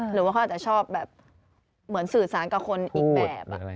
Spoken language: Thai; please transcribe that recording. หรือว่าเขาอาจจะชอบแบบเหมือนสื่อสารกับคนอีกแบบ